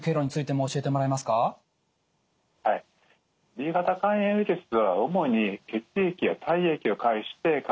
Ｂ型肝炎ウイルスは主に血液や体液を介して感染するんですね。